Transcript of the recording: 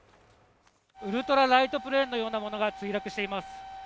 ウルトラライトプレーンのようなものが墜落しています。